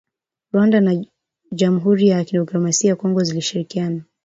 Rwanda na Jamhuri ya kidemokrasia ya Kongo zilishirikiana